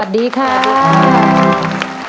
สวัสดีครับ